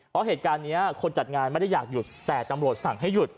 เพราะเหตุการณ์นี้คนจัดงานไม่ได้อยากหยุดแต่ตำรวจสั่งให้หยุด